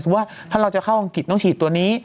ว่าถ้าเราจะเข้าอังกฤษต้องฉีดตัวนี้